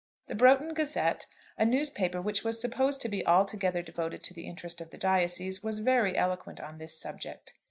The 'Broughton Gazette,' a newspaper which was supposed to be altogether devoted to the interest of the diocese, was very eloquent on this subject.